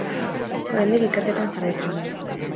Oraindik ikerketan jarraitzen du.